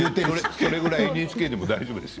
それぐらいＮＨＫでも大丈夫ですよ。